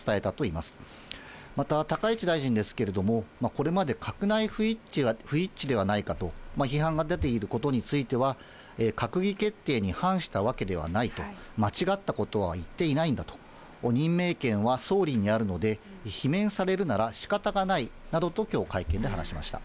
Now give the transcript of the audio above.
また、高市大臣ですけれども、これまで閣内不一致ではないかと批判が出ていることについては、閣議決定に反したわけではないと、間違ったことは言っていないんだと、任命権は総理にあるので、罷免されるならしかたがないなどときょう、会見で話しました。